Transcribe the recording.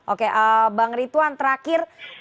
oke bang rituan terakhir